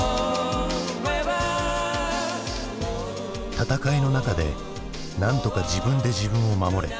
「戦いの中で何とか自分で自分を守れ」。